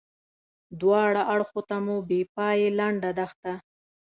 دواړه اړخو ته مو بې پایې لنده دښته.